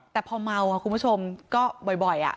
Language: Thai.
แต่พอเมาค่ะคุณผู้ชมก็บ่อยอ่ะ